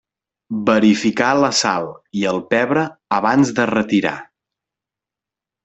Verificar la sal i el pebre abans de retirar.